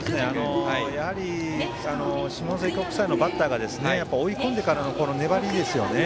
やはり下関国際のバッターが追い込んでからの粘りですよね。